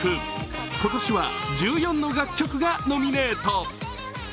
今年は１４の楽曲がノミネート。